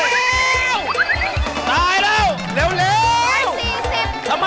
รอยผิวละโอ๊ะ